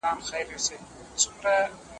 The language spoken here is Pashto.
ځواني مي خوب ته راولم جانانه هېر مي نه کې